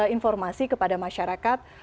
informasi kepada masyarakat